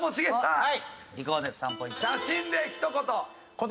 はい。